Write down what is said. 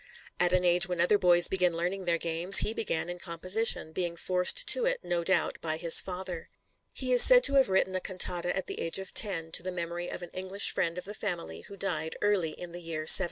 At an age when other boys begin learning their games, he began in composition, being forced to it, no doubt, by his father. He is said to have written a cantata at the age of ten to the memory of an English friend of the family, who died early in the year 1781.